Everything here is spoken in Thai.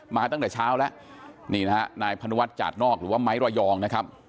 มาตั้งแต่เช้าแล้วนี่นะฮะนายพนุวัฒน์จาดนอกหรือว่าไม้ระยองนะครับ